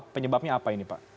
penyebabnya apa ini pak